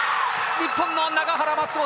日本の永原、松本